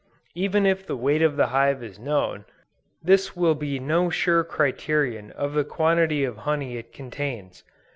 Even if the weight of the hive is known, this will be no sure criterion of the quantity of honey it contains.